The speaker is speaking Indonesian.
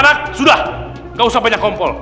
anak sudah gak usah banyak kompol